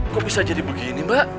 kok bisa jadi begini mbak